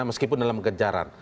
meskipun dalam kejaran